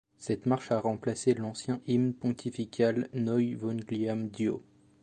Cette marche a remplacé l'ancien hymne pontifical Noi Vogliam Dio.